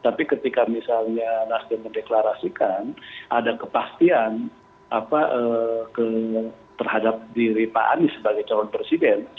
tapi ketika misalnya nasdem mendeklarasikan ada kepastian terhadap diri pak anies sebagai calon presiden